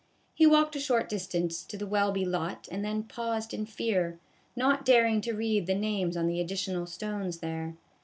He walked a short distance to the Welby lot, and then paused in fear, not daring to read the names on the additional stones there.